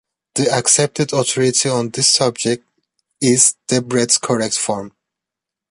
The accepted authority on this subject is "Debrett's Correct Form".